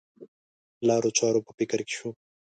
لارو چارو په فکر کې شو.